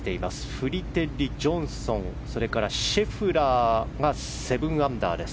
フリテリ、ジョンソンシェフラーが７アンダーです。